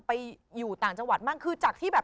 ไปอยู่ต่างจังหวัดบ้างคือจากที่แบบ